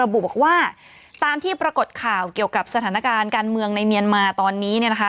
บุบอกว่าตามที่ปรากฏข่าวเกี่ยวกับสถานการณ์การเมืองในเมียนมาตอนนี้เนี่ยนะคะ